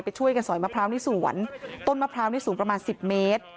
ช่วยกันสอยมะพร้าวในสวนต้นมะพร้าวนี่สูงประมาณ๑๐เมตร